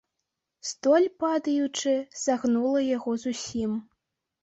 Столь, падаючы, сагнула яго зусім.